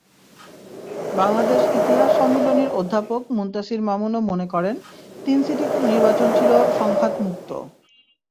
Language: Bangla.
বাংলাদেশ ইতিহাস সম্মিলনীর অধ্যাপক মুনতাসীর মামুনও মনে করেন, তিন সিটি নির্বাচন ছিল সংঘাতমুক্ত।